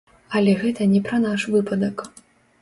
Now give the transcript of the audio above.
Але гэта не пра наш выпадак.